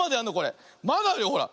まだあるよほら。